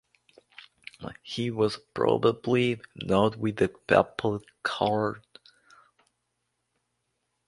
He was probably not with the papal court.